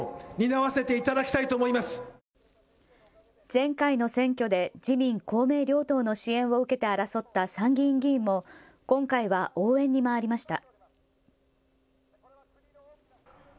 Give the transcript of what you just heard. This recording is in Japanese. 前回の選挙で、自民公明両党の支援を受けて争った参議院議員も今回は応援に回りました。